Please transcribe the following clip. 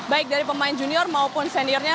baik dari pemain junior maupun seniornya